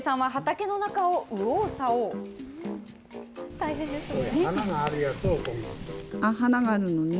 大変ですね。